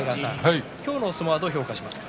今日の相撲は、どう評価しますか。